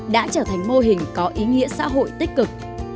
đã trở thành mô hình có ý nghĩa xã hội tích cực